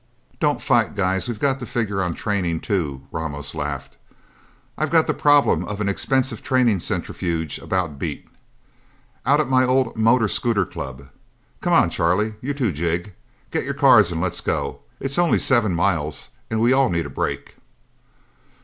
"Don't fight, guys we've got to figure on training, too," Ramos laughed. "I've got the problem of an expensive training centrifuge about beat. Out at my old motor scooter club. Come on, Charlie you, too, Jig get your cars and let's go! It's only seven miles, and we all need a break."